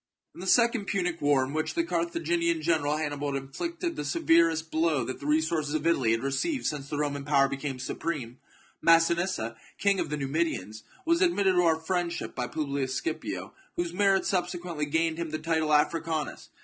In the second Punic war, in which the Carthaginian general Hannibal had inflicted the severest blow that the resources of Italy had received since the Roman 126 THE JUGURTHINE WAR. CHAP, power became supreme, Massinissa, king of the Nu midians, was admitted to our friendship by Publius Scipio, whose merits subsequently gained him the title " Africanus."